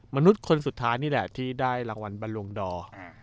มนุษย์คนสุดท้ายนี่แหละที่ได้รางวัลบรรลวงดอร์